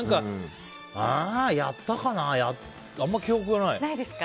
やったかなあんまり記憶がない。